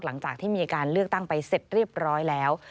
หลังจากที่มีการเลือกตั้งไปเสร็จเรียบร้อยแล้ว